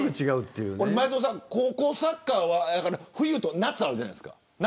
前園さん、高校サッカーは冬と夏あるじゃないですか。